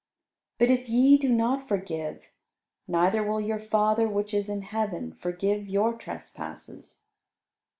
But if ye do not forgive, neither will your Father which is in heaven forgive your trespasses."